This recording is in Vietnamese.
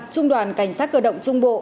trung đoàn cảnh sát cơ động trung bộ